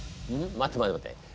待て待て待て。